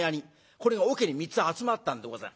これが桶に３つ集まったんでございます。